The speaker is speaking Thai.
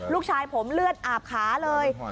ลูกชายผมเลือดอะปส์ค้าเลย